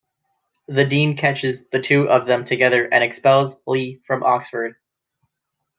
The Dean catches the two of them together and expels Lee from Oxford.